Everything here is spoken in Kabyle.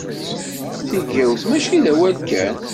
Tigawt mačči d awal kan.